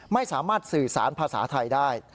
ไม่สามารถสื่อสารภาษาไทยได้